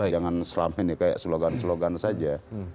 jangan selama ini kayak slogan slogan saja